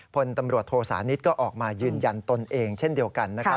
พลตำรวจโทสานิทก็ออกมายืนยันตนเองเช่นเดียวกันนะครับ